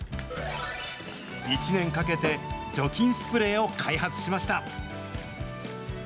１年かけて、除菌スプレーを開発しました。